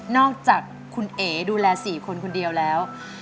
อกจากคุณเอ๋ดูแล๔คนคนเดียวแล้ว